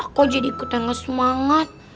aku jadi ikutan ngesemangat